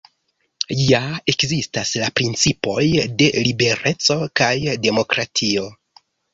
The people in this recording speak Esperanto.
Ja ekzistas la principoj de libereco kaj demokratio.